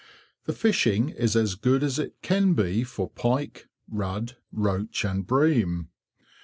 The fishing is as good as it can be for pike, rudd, roach, and bream.